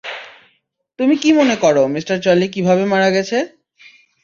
তুমি কি মনে করো মিঃ চার্লি কিভাবে মারা গেছে?